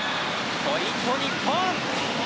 ポイント、日本。